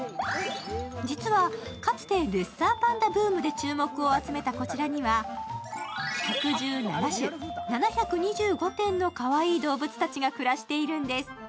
実は、かつてレッサーパンダブームで注目を集めた、こちらには１１７種７２５点のかわいい動物たちが暮らしているんです。